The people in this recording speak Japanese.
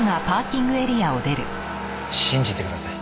信じてください。